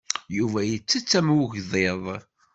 Yuba yettett am ugḍiḍ.